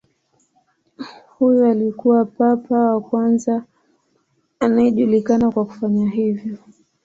Huyu alikuwa papa wa kwanza anayejulikana kwa kufanya hivyo.